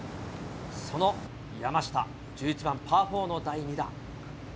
その山下、１１番パー４の第２打。